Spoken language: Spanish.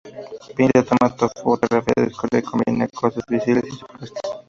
Pinta, toma fotografías, descubre y combina cosas visibles y supuestas.